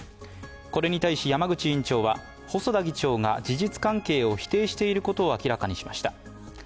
これに対し山口委員長は、細田議長が事実関係を否定していることを明らかにしました。